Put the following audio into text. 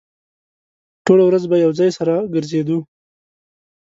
ټوله ورځ به يو ځای سره ګرځېدو.